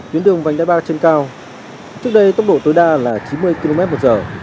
tuyến đường vành đai ba trên cao trước đây tốc độ tối đa là chín mươi km một giờ